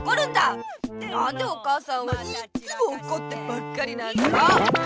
なんでお母さんはいっつもおこってばっかりなんだろう？